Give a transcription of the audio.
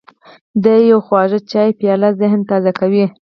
د یو خواږه چای پیاله ذهن تازه کوي.